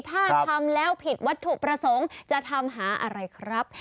ถ้าทำแล้วผิดวัตถุประสงค์จะทำหาอะไรครับ